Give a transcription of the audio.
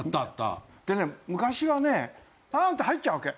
でね昔はねパーンって入っちゃうわけ。